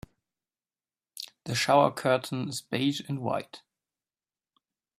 The shower curtain is beige and white.